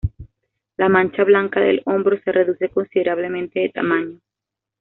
La mancha blanca del hombro se reduce considerablemente de tamaño.